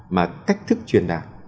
mà cách thức truyền đảng